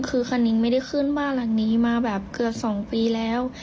คือคณิงไม่ได้ขึ้นบ้านหลังนี้มาแบบเกือบ๒ปีแล้ว